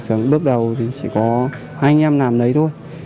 về nhà bước đầu thì chỉ có hai anh em làm đấy thôi